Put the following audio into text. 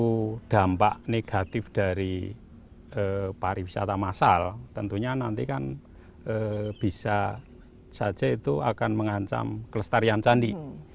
satu dampak negatif dari pariwisata massal tentunya nanti kan bisa saja itu akan mengancam kelestarian candi